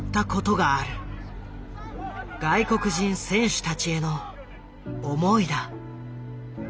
外国人選手たちへの思いだ。